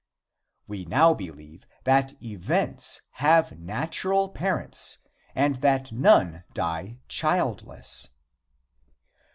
We now believe that events have natural parents and that none die childless.